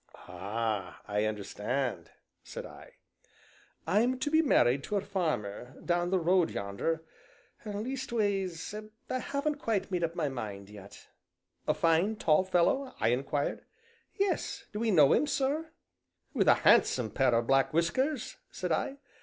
"Ah! I understand," said I. "I'm to be married to a farmer down the road yonder; leastways, I haven't quite made up my mind yet." "A fine, tall fellow?" I inquired. "Yes do 'ee know him, sir?" "With a handsome pair of black whiskers?" said I.